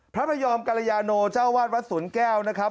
พระพยอมกรยาโนเจ้าวาดวัดสวนแก้วนะครับ